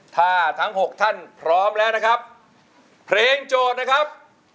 ถ้าทั้ง๖ท่านพร้อมแล้วนะครับเพลงโจทย์นะครับ